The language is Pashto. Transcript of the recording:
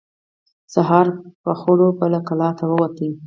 سهار په خړه به له کلا ووت.